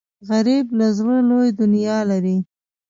غریب له زړه لوی دنیا لري